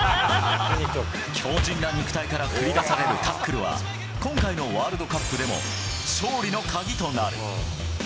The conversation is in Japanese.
強じんな肉体から繰り出されるタックルは、今回のワールドカップでも勝利の鍵となる。